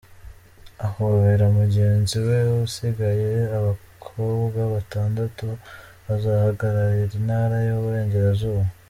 Ahobera mugenzi we usigayeAbakobwa batandatu bazahagararira Intara y'Uburengerazuba.